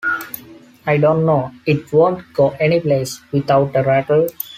I don't know, it won't go anyplace without a rattle!